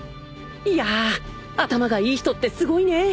［いやぁ頭がいい人ってすごいね！］